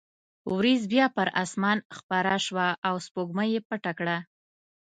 وریځ بیا پر اسمان خپره شوه او سپوږمۍ یې پټه کړه.